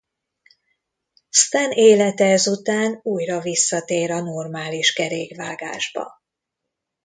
Stan élete ezután újra visszatér a normális kerékvágásba.